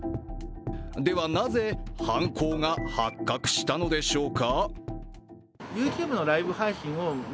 では、なぜ犯行が発覚したのでしょうか。